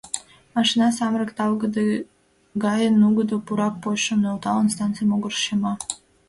Машина, самырык талгыде гае нугыдо пурак почшым нӧлталын, станций могырыш чыма.